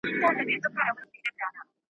خو خبري آژانسونه ګ !.